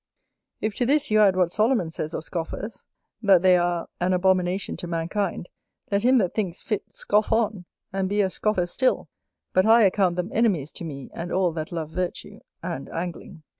_" If to this you add what Solomon says of Scoffers, that "they are an abomination to mankind," let him that thinks fit scoff on, and be a Scoffer still; but I account them enemies to me and all that love Virtue and Angling.